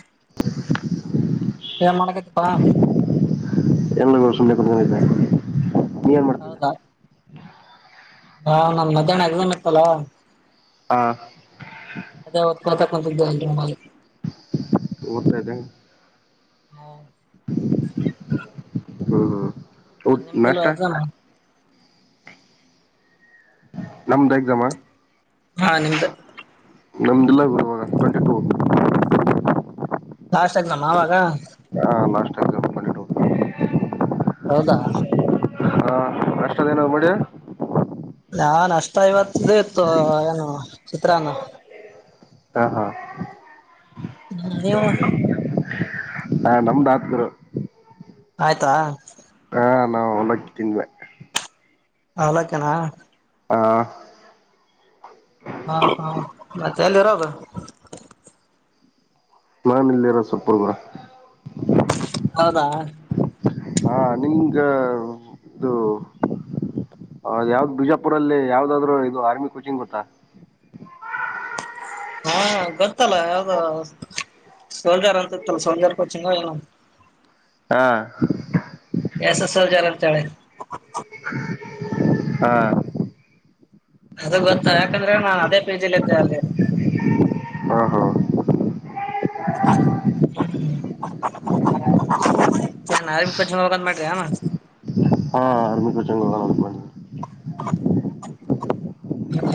[inaudible] ಏನ ಮಾಡಕತ್ತಿಪ [unintelligible] ನೀವ ಏನ್ ಮಾಡ್ತದ? ಹಾ ನಂದ ಮಧ್ಯಾಹ್ನ ಎಕ್ಸಾಮ್ ಇತ್ತಲ್ಲ ಹಾ ಅದೇ ಒದ ಕೋತ ಕೂತಿದೆ [unintelligible] ಓದುತ್ತಾ ಹ್ಮ ಹ್ಮ್ ಹ್ಮ್ ಅ ಊಟ್ ನಿಮ್ದ ಇಲ್ಲ ನಾಷ್ಟ ಎಕ್ಸಾಮ್ ನಮ್ದ ಎಕ್ಸಾಮ ಹಾ ನಿಮ್ದ ನಮದ ಇಲ್ಲಾ ಇವಾಗ ಟ್ಂಟಿ ಟೂ ಲಾಸ್ಟ್ ಎಕ್ಸಾಮ್ ಅವಾಗ ಹಾ ಲಾಸ್ಟ್ ಎಕ್ಸಾಮ್ ಟ್ವೆಂಟಿ ಟೂ ಹೌದಾ ಹಾ ನಾಸ್ಟಾ ಅದು ಏನರೇ ಮಾಡಿ ನಾನ್ ನಾಸ್ಟಾ ಇವತ್ತ ಇದು ಇತ್ತು ಏನ ಚಿತ್ರಾನ ಹಾ ಹಾ. ನೀವು ಹಾ ನಮ್ದ್ ಹತ್ರು ಆಯ್ತಾ ಹಾ ನಾ ಔಲಕ್ಕಿ ತಿಂದೆ ಔಲಕ್ಕಿನ ಹಾ ಹಾ ಹಾ ಮತ್ ಯಾಲಿರೋದು [unintelligible] ಹೌದಾ ಹಾ ನಿಂಗ ಇದು ಯಾವ್ದ ಬಿಜಾಪುರಲ್ಲಿ ಯಾವ್ದಾದ್ರೂ ಇದು ಆರ್ಮಿ ಕೋಚಿಂಗ್ ಗೊತ್ತಾ ಹಾ ಗೊತ್ತಲ್ಲ ಯಾವ್ದ ಸೋಲ್ಜಾರ್ ಅಂತತ್ತಲ್ಲ ಸೋಲ್ಜಾರ್ ಕೊಚಿಂಗ ಏನು ಹಾ ಎಸ್ ಎಸ್ ಸೋಲ್ಜಾರ್ಅಂತ ಹೇಳಿ ಹಾ ಅದು ಗೊತ್ತ ಯಾಕಂದ್ರೆ ನಾನ್ ಅದೇ ಪೇಜಲಿ ಇದ್ದೆ ಅಲ್ಲಿ ಹಾ ಹಾ ಹಾ [unintelligible] ಆರ್ಮಿ ಕೋಚಿಂಗ್ ಹೋಗೋಣ ಅಂತ ಮಾಡಿದ್ವಿ. [inaudible] ಹ್ಮ್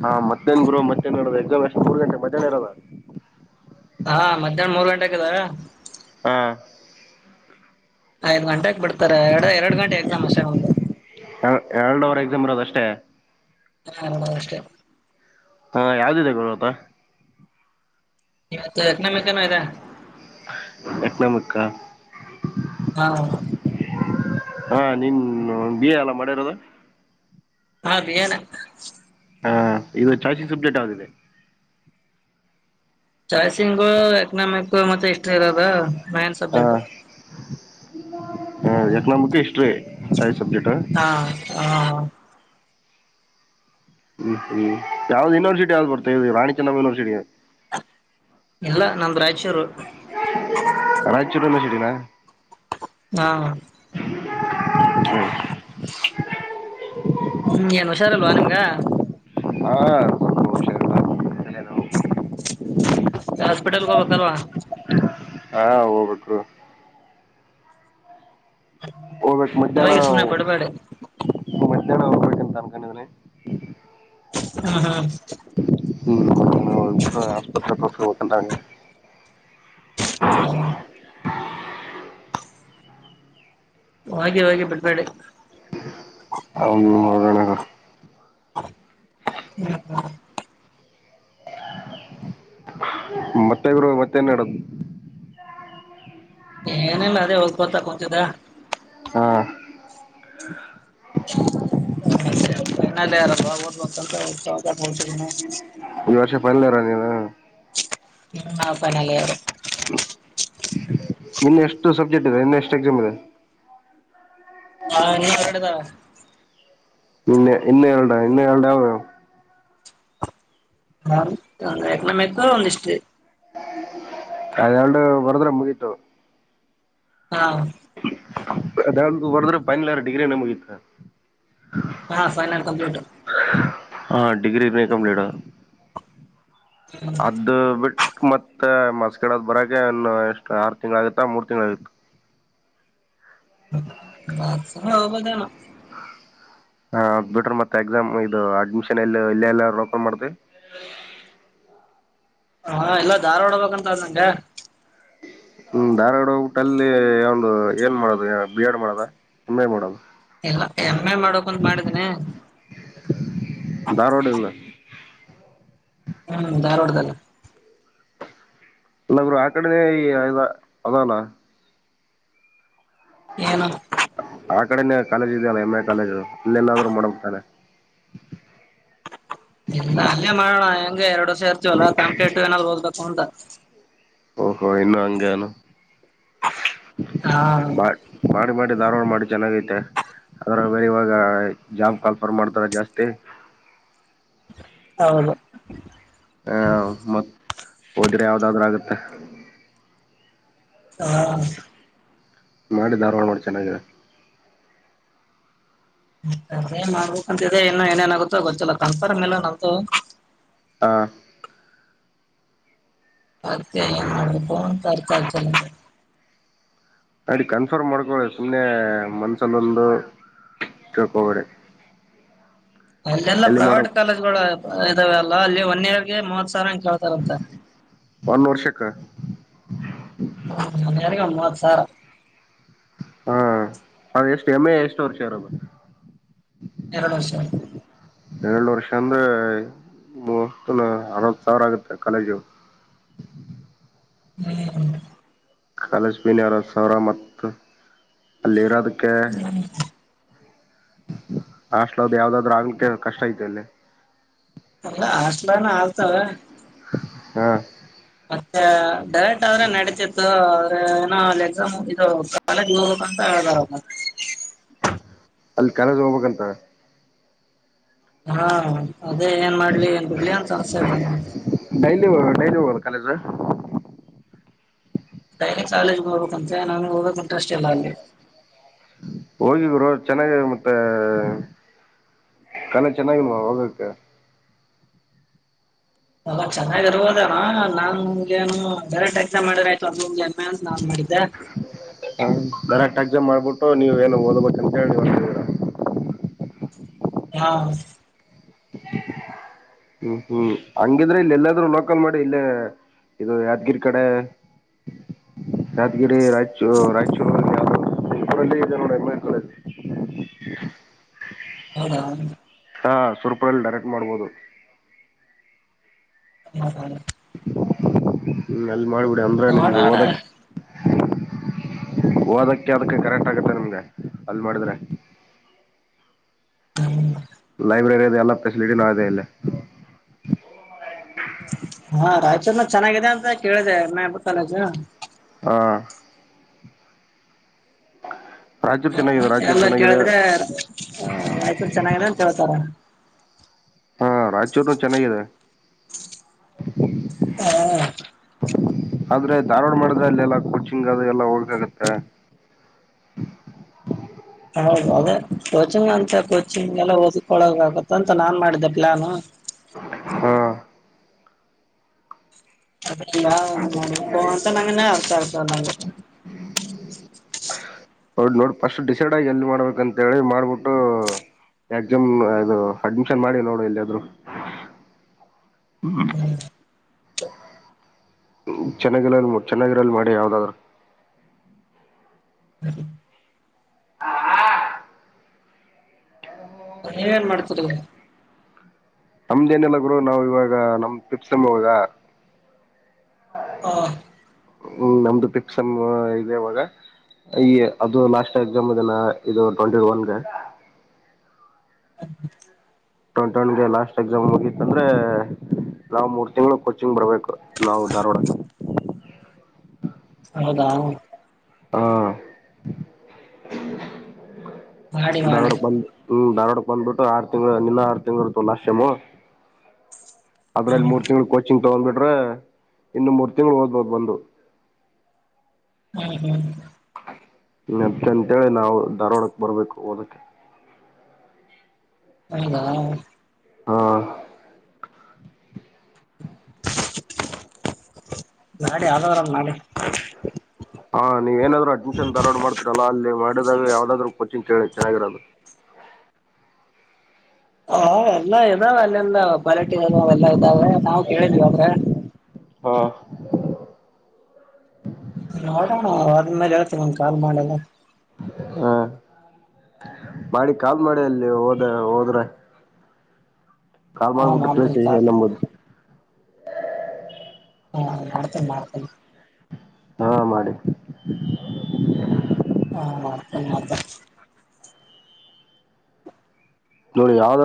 ಹಾ ಮತ್ತೇನ್ ಗುರು ಮತ್ತೇನ್ ನಡ್ಬೇಕು ಈಗ ಎಷ್ಟು ಮೂರು ಗಂಟೆ ಮಧ್ಯಾಹ್ನ ಇರೋದು ಹಾ ಮಧ್ಯಾಹ್ನ ಮೂರು ಗಂಟೆ ಆಕಿದಾ ಹಾ ಐದ್ ಗಂಟೆಕ್ ಬಿಡ್ತಾರೆ ಎರಡು ಎರಡು ಗಂಟೆ ಎಕ್ಸಾಮ್ ಅಷ್ಟೆ ನಮ್ದ ಎರಡು ಅವರ್ ಎಕ್ಸಾಮ್ ಇರೋದ ಅಷ್ಟೇ ಎರಡು ಅಷ್ಟೇ [unintelligible] ಇವತ್ತು ಯಕನಮಿಕ್ ಏನೋ ಇದೆ ಎಕನಾಮಿಕ್ ಅ ಹಾ ಹಾ ನೀನ್ ಬಿ ಎ ಅಲ್ಲ ಮಾಡಿರೋದು ಹಾಂ ಬಿ ಎ ನೆ ಹ ಇದು [unintelligible] ಸಬ್ಜೇಟ್ ಯಾವ್ದು ಇದೆ ಚಾಯ್ಸಂಗ್ ಎಕನಾಮಿಕ್ ಮತ್ತೆ ಹಿಸ್ಟ್ರಿ ಇರೋದ ಮೈನ್ ಹಾ ಸಬ್ಜೆಕ್ಟ್ ಎಕನಾಮಿಕ್ ಹಿಸ್ಟರಿ ಹಾ ಹಾ ಹ್ಮ್ ಹ್ಮ್ ಯಾವ್ದ್ ಯೂನಿವರ್ಸಿಟಿ ಬರ್ತ ಇದು ರಾಣಿ ಚೆನ್ನಮ್ಮ ಯೂನಿವರ್ಸಿಟಿ ಇಲ್ಲ ನಮ್ದು ರಾಯಚೂರು ರಾಯಚೂರು ಯೂನಿವರ್ಸಿಟಿನ ಹಾಂ ಹ್ಮ್ ಹ್ಮ್ ಏನ್ ಹುಷಾರಲ್ವಾ ನಿಮ್ಗ ಹಾ ಸ್ವಲ್ಪ ಹುಷಾರಿಲ್ಲ ತಲೆನೋವು. ಹಾಸ್ಪಿಟಲ್ ಹೋಗಬೇಕಲ್ವಾ ಹಾ ಹೋಗ್ಬೇಕು ಹೋಗ್ಬೇಕು [inaudible] ಮಧ್ಯಾಹ್ನ ಹೋಗಿ ಸುಮ್ನೆ ಬಡ್ಬಿದಿ ಮಧ್ಯಾಹ್ನ ಹೋಗ್ಬೇಕಂತ ಅನ್ಕೊಂಡಿದೀನಿ ಹಾ ಹಾ ಹ್ಮ್ ಹೋಗ್ಬಿಟ್ಟು [unintelligible] ಹ್ಮ್ ಹೋಗಿ ಹೋಗಿ ಬಿಡ್ಬೇಡಿ ಅವ್ನು ನೋಡೋಣ ಮತ್ತೆ ಗುರು ಮತ್ತೆನ್ಡೋದು ಏನಿಲ್ಲ ಅದೇ ಹೋಗ್ಬರ್ತಾ ಕುಂತಿದ್ದೆ ಹಾ ಆ ಸರಿ ಫೈನಲ್ ಇಯರ್ ಅಲ್ವಾ ಓದ್ಕೊಂತ ಕುಂತಿದೆ ಈ ವರ್ಷ ಫೈನಲ್ ಇಯರ್ ಆ ನೀನು ಹಾ ಫೈನಲ್ ಇಯರ್ ಇನ್ನೆ ಎಷ್ಟು ಸಬ್ಜೆಕ್ಟ್ ಇದೆ ಇನ್ನ ಎಷ್ಟು ಎಕ್ಸಾಮ್ ಇದೆ ಹಾ ಇನ್ನ ಎರಡು ಇದಾವು ಇನ್ನ ಎರಡ್ ಇನ್ನ ಎರಡ್ ಆವ ಹ ಒಂದು ಎಕನಾಮಿಕ್ಸ್ ಒಂದು ಹಿಸ್ಟರಿ ಅದು ಎರಡು ಬರಿದ್ರೆ ಮುಗಿತು ಹಾ ಅದ ಹೊರ್ದ್ರೆ ಪೈನಲ್ರ ಡಿಗ್ರಿ ನೆ ಮುಗಿತು ಹಾ ಫೈನಲ್ ಕಂಪ್ಲೀಟ ಹಾ ಡಿಗ್ರಿ ನೀ ಕಂಪ್ಲೀಟ ಅದು ಬಟ್ ಮತ್ತೆ ಮಾರ್ಕ್ಸ್ ಕಾರ್ಡ್ ಬರೋಕೆ ಒನ್ನು ಎಷ್ಟು ಆರು ತಿಂಗ್ಗಳ ಆಗತ್ತಾ ಮೂರ್ ತಿಂಗಳು ಆಗುತ [unintelligible] ಹೋಗೋದನ್ನ ಹಾ ಬ್ಯೂಟರ್ ಮತ್ತೆ ಎಕ್ಸಾಮ್ ಇದು ಅಡ್ಮಿಶನ್ ಎಲ್ಲ ಇಲ್ಲ ಎಲ್ಲ ರೋಕನ್ ಮಾಡ್ತಿವಿ ಹ ಎಲ್ಲಾ ದಾರವಾಡ ಬೇಕಂತ ಅದ್ ನಂಗೆ ಹ್ಮ ಧಾರವಾಡ ಹೋಗಬಿಟ್ಟು ಅಲ್ಲಿ ಒಂದು ಏನ್ ಮಾಡೋದು ಬಿ ಎಡ್ ಮಾಡದ ಏನ್ ಮಾಡೋದು ಇಲ್ಲ ಎಂ ಎ ಮಾಡಬೇಕು ಮಾಡಿದಿನಿ ಧಾರವಾಡ ಇಲ್ಲ ಹ್ಮ್ ಧಾರವಾಡ್ದಲ್ಲ ಅಲ್ಲ ಬ್ರೋ ಆ ಕಡೆನೆ ಇದಿಯಲ್ಲ [inaudible] ಆ ಕಡೆ ಕಾಲೇಜ್ ಇದೆಯಲ್ಲ ಎಮ್ ಎ ಕಾಲೇಜ್ ಇಲ್ಲೆಲ್ಲಾದ್ರೂ ಮಾಡಬೇಕು ತಾನೇ ಇಲ್ಲ ಅಲ್ಲೇ ಮಾಡಣ ಹೇ ಹಗೆ ಎರಡು ವರ್ಷ ಇರ್ತವಲ್ಲ ತಮಕೇಟು ಏನಾರ ಓದಬೇಕು ಅಂತ ಓಹೋ ಇನ್ನ ಅಂಗನು ಹಾ ಧಾರವಾಡ ಮಾಡಿ ಚೆನ್ನಾಗೈಐತೆ ಅದ್ರ ಬೇರೆ ಇವಾಗ ಜಾಬ್ ಕಲ್ಫರ್ ಮಾಡ್ತಾರ ಜಾಸ್ತಿ ಹೌದು ಹ್ಮ ಆ ಮತ್ ಹೋದ್ರೆ ಯಾವ್ದಾದ್ರ ಆಗುತ್ತೆ ಹಾ ಮಾಡಿ ಧಾರವಾಡ ಮಾಡು ಚೆನ್ನಾಗಿದೆ ಏನ್ ಮಾಡ್ಬೇಕಂತಿದೆ ಇನ್ನು ಏನೇನಾಗುತ್ತೋ ಗೊತ್ತಲ್ಲ ಕನ್ಫರ್ಮ್ ಇಲ್ಲ ನಂದು ಹಾ ಅಂತೆ ಎಲ್ಲ ಮಾಡಬೇಕು ಅಂತ ಅರ್ಥ ಆಗ್ತಿಲ್ಲ ನಡಿ ಕನ್ಫರ್ಮ್ ಮಾಡ್ಕೊ ಸುಮ್ನೆ ಮನ್ಸಲ್ಲೊಂದು ಕೇಳ್ಕೊಬೇಡಿ ಅ ಎಲ್ಲಾ ಪ್ರೈವೇಟ್ ಕಾಲೇಜ್ ಗಳು ಇದಾವ ಅಲ್ಲ ಅಲ್ಲಿ ಒನ್ ಇಯರ್ ಗೆ ಮೂವತ್ ಸಾವರ ಅಂಗ ಕೇಳ್ತಾರಂತ ಒಂದು ವರ್ಷಕ್ಕ ರೆ ಅಮ್ಮ ಸರ್ ಹಾ ಅದು ಎಷ್ಟು ಎಮ್ ಎ ಎಷ್ಟ ವರುಷ ಇರೋದು ಎರಡು ವರ್ಷ ಎರಡು ವರ್ಷ ಅಂದ್ರೆ ಮಸ್ ಅರವತ್ ಸಾವಿರ ಆಗುತ್ತೆ ಕಾಲೇಜು ಹಾ ಕಾಲೇಜ್ ಪೀನ ಅರವತ್ ಸಾವಿರ ಮತ ಅಲ್ಲಿ ಇರೋದಕ್ಕೆ ಹ ಹಾಸ್ಟೆಲ್ನಲ್ಲಿ ಯಾವ್ದಾದ್ ಆಗಲಿ ಕಷ್ಟ ಆಯತ ಅಲ್ಲೇ ಅಲ್ಲ ಹಾಸ್ಟಲಾನ ಸರ್ ಹಾ ಮತ್ತೆ ಡೈರೆಕ್ಟ್ ಆದ್ರೆ ನಡತಿತ್ತುರ ಏನೋ ಅ ಎಕ್ಸಾಮ್ ಇದು ಕಾಲೇಜ್ ಹೋಗಬೇಕಂತ ಹೇಳ್ದಾರ ಅಲ್ಲಿ ಕಾಲಜ ಹೋಗ್ಬೇಕಂತ ಹಾ ಅದೇ ಏನ್ ಮಾಡ್ಲಿ ಏನ್ ಬಿಡ್ಲಿ ಅನ್ ಅಸ್ಯ್ ನನ್ ಡೈಲಿ ಹ ಡೈಲಿ ಹೋಗ ಕಾಲೇಜ್ ಡೈ ಕಾಲೇಜ್ ನೋಬೇಕಂತೆ ನಾನಗೆ ಹೋಗದಕ್ ಇಂಟ್ರೆಸ್ಟ್ ಇಲ್ಲ ಅಲ್ಲಿ ಹೋಗಿದರು ಚೆನ್ನಾಗ ಮತ್ತೆ ಕಣ ಚೆನ್ನಾಗಿಲ್ವ ಹೋಗಕ್ಕೆ ಎಲ್ಲಾ ಚೆನ್ನಾಗಿರ್ಬೋದಾರ ನಾಗಏನು ಡೈರೆಕ್ಟ್ ಎಕ್ಸಾಮ್ ಮಾಡಿದರ ಆಯ್ತು ಅಂದಮಗೆಮ್ಮೆ ಅ ನಾನ್ ಮಾಡಿದ್ದೆ ಡರೆಕ್ಟ್ ಎಕ್ಸಾಮ್ ಮಾಡ್ಬಿಟ್ಟು ನೀವ ಏನ ಓದಬೇಕ ಅಂತೇಳಿ ಹಾ ಹ್ಮ್ ಹ್ಮ್ ಹಂಗಿದ್ರೆ ಇಲ್ಲಿ ಎಲ್ಲಾದ್ರೂ ಲೋಕಲ್ ಮಾಡಿ ಇಲ್ಲೇ ಇದು ಯಾದಗಿರಿ ಕಡೆ ಯಾದಗಿರಿ ರಾಯಚೂರ ರಾಯಚೂ ಹೌದ ಹಾ ಸುರ್ಪುರಲ್ಲಿ ಡೈರೆಕ್ಟ್ ಮಾಡ್ಬೋದು ಹ್ಮ ಹಾ ನಲ್ಲಿ ಮಾಡ್ಬಿಡಿ ಅಂದ್ರೆ ನಿನ್ಗೆ ನೋಡೋಣ ಹಓದಕ್ ಓದಕ್ಕೆ ಅದಕ್ಕೆ ಕರೆಕ್ಟ್ ಆಗತ್ತೆ ನಿಮ್ಗೆ ಅಲ್ಲಿ ಮಾಡಿದ್ರೆ ಹ್ಮ್ ಲೈಬ್ರರಿ ಅದೆ ಎಲ್ಲ ಫೆಸಿಲಿಟಿ ನಾ ಇದೆ ಇಲ್ಲಿ ಹಾ ರಾಯಚೂರ್ನ ಚೆನ್ನಾಗಿದೆ ಅಂತ ಕೇಳಿದೆ ಮ ಬತ್ತಲ ಹಾ ಹಾ ಎಲ್ಲ ಕೇಳಿದ್ರೆ ರಾಯಚೂರು ಚೆನ್ನಾಗಿದೆ ಅಂತ ಹೇಳ್ತಾರ ಹಾ ರಾಯಚೂರ್ನು ಚೆನ್ನಾಗಿದೆ ಹಾ ಆದ್ರೆ ಧಾರವಾಡ ಮಾಡಿದ್ರೆ ಅಲ್ಲೆಲ್ಲ ಕೋಚಿಂಗ್ ಅದು ಎಲ್ಲ ಹಳ್ಕ ಆಗತ್ತೆ ಹೌದು ಅದೇ ಕೋಚಿಂಗ್ ಅಂತ ಕೋಚಿಂಗ್ ಎಲ್ಲ ಓದ್ಕೊಳ್ಳಳಕ್ ಆಗುತ್ತ ಅಂತ ನಾನ್ ಮಾಡಿದ್ದೆ ಪ್ಲಾನ್ ಹಾ ಹ ನಾ ನಕನ್ ಅರ್ತ ಆತ ನ ನೋಡ್ ನೋಡು ಫಸ್ಟ್ ಡಿಸೈಡ್ ಆಗಿ ಎಲ್ಲಿ ಮಾಡ್ಬೇಕಂತ ಹೇಳಿ ಮಾಡ್ಬಿಟ್ಟು ಎಕ್ಸಾಮ್ದು ಅಡ್ಮಿಶನ್ ಮಾಡಿ ನೋಡು ಎಲಾದ್ರು ಚೆನ್ನಾಗಿರ ಚೆನ್ನಾಗಿರ ಮಾಡಿ ಯಾವ್ದಾದ್ರು ಹ ಹಾ ನೀವ ನ್ ಮಾಡ್ತಾರ ನಮ್ದೇನೆಲ್ಲ ಗುರು ನಾವ್ ಇವಾಗ ನಮ್ ಟ್ರಿಪ್ಸಮ ಹಾಗ ಹಾ ಹ್ಮ್ ನಮ್ದು ಟಿಪ್ಸ್ ಇದೆ ಇವಾಗ ಈ ಅದು ಲಾಸ್ಟ್ ಎಕ್ಸಾಮ್ ಇದ ಇದು ಟ್ಂಟಿ ಒನ್ಗೆ ಟಗೆ ಲಾಸ್ಟ್ ಎಕ್ಸಾಮ್ ಹೋಗಿತ್ತ ಅಂದ್ರೆ ನಾವವು ಮೂರ್ ತಿಂಗಳು ಕೋಚಿಂಗ್ ಬರ್ಬೇಕು ನಾವು ಧಾರವಾಡಗೆ ಹೌದಾ ಹಾ ಮಾಡಿ ಮಾಡಿ ದಾರಡ ಬಂದ ಹ್ಮ್ ದಾರೋಡ ಬಂದ್ಬಿಟ್ಟು ಆರು ತಿಂಗಳ ನಿನ್ನ ಆರು ತಿಂಗಳ ಇರ್ತ ಲಷ್ಟಮ್ ಅದ್ರಲ್ಲಿ ಹ್ಮ್ ಮೂರು ತಿಂಗಳ ಿಂಗ ತಗೊಂಡ್ಬಿಟ್ರೆ ಇನ್ನು ಮೂರ್ ತಿಂಗಳು ಹೋದ್ಬೋ್ ಬಂದು ಹ್ಮ ಹ್ಮ ಮತ್ತೆ ಅಂತೇಳಿ ನಾವು ಧಾರವಾಡಕ್ ಬರ್ಬೇಕು ಓದಕ್ಕೆ ಹೌದಾ ಹಾ ನಾಡಿೆ ಆದರಾಮ ನಾಡಿೆ ಹಾ ನೀವ ಏನಾದ್ರು ಅಡ್ಮಿಷನ್ ಧಾಡ್ ಮಾಡ್ತರಲ್ಲ ಅಲ್ಲಿ ಮಾಡಿದಾಗ ಯಾವ್ದಾದ್ೂ ಕೋಚಿಂಗ ಕೇಳಿ ಜನಾಗರದು ಹ ಎಲ್ಲಾ ಇದಾವ ಅಲ್ಲೆಲ್ಲ ಕ್ವಾಲಿಟಿ ಅೆಲ್ಲ ಇದಾವೆ ನಾವವು ಕೇಳಿದ್ವಿ ಅಂದ್ರೆ ಹಾ ನೋಡೋಣ ಆದ್ಮೇಲೆ ಹೇಳ್ತೀನ ನನ್್ ಕಾಲ್ ಮಾಡೆಲ್ಲ ಮಾಡಿ ಕಾಲ್ ಮಾಡಿ ಅಲ್ಲಿ ಹೋದ ಹೋದ್ರ ಕಲ್ಮಾರ ಹಾ ಊಟದಲ್ಲಿ ಮಾಡ್ತೀನಿ ಕಾಲ್ ಸ ನಂಬುದು ಹಾ ನತ ಮಾಡ್ತನೆ ಹಾ ಮಾಡಿ ಹಾ ಮಾಡತ ಮಾಡತ ನೋಡಿ ಯಾವ್ದಾದ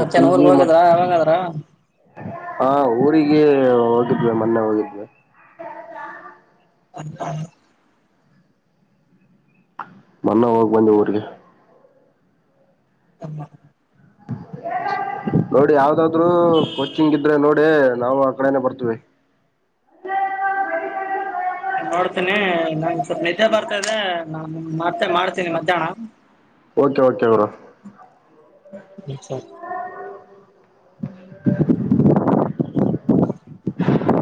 ಅ ಚೆನ್ ಊರ್ಗ್ ಹೋಗಿದ್ರ ಯಾವಾಗದ್ರ ಹಾ ಊರಿಗೆ ಹೋಗಿದ್ವಿ ಮೊನ್ನೆ ಹೋಗಿದ್ವಿ ಹ ಹ ಮಣಾ ಹೋಗೋಗ ಬಂದ ಊರ್ರಿಗೆ ಹ ನೋಡಿ ಯಾವ್ದಾದ್ರು ಕೋಚಿಂಗ್ ಇದ್ರೆ ನೋಡಿ ನಾವು ಆ ಕಡೆನೆ ಬರ್ತವಿ ನೋಡ್ತೇನಿ ನಾನ್ ಸ್ವಲ್ಪ ನಿಜೆ ಬರ್ತದೆ ನಾನ್ ಮತ್ತೆ ಮಾಡ್ತೀನಿ ಮಧ್ಯಾಹ್ನ ಓಕೆ ಓಕೆ ಅವಡ ಹ ಸರ್ [inaudible] [unintelligible] ಹ